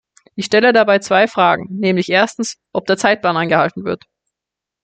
Ich stellte dabei zwei Fragen, nämlich erstens, ob der Zeitplan eingehalten wird.